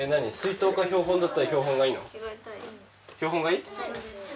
標本がいい？